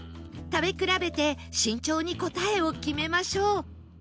食べ比べて慎重に答えを決めましょう